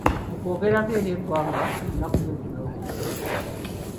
Mu kwogerako eri eggwanga olunaku lw’eggulo.